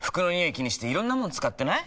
気にしていろんなもの使ってない？